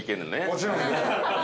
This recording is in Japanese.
◆もちろん。